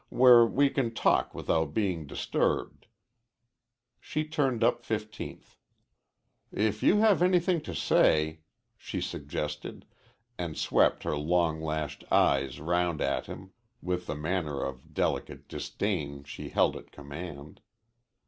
"Where we can talk without being disturbed." She turned up Fifteenth. "If you have anything to say," she suggested, and swept her long lashed eyes round at him with the manner of delicate disdain she held at command.